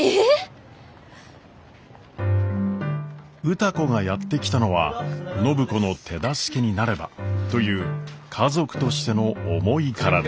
歌子がやって来たのは暢子の手助けになればという家族としての思いからでした。